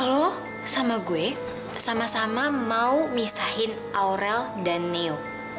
lo sama gue sama sama mau misahin aurel dan neo